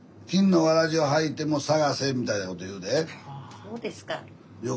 そうですか。